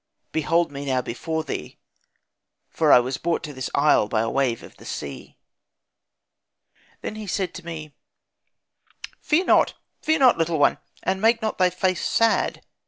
Behold me now before thee, for I was brought to this isle by a wave of the sea.' "Then said he to me, 'Fear not, fear not, little one, and make not thy face sad.